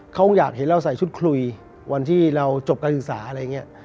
เขาคงอยากเห็นเราใส่ชุดคุยวันที่เราจบการศึกษาอะไรอย่างนี้